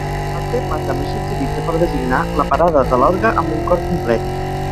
El terme també s'utilitza per designar la parada de l'orgue amb un cor complet.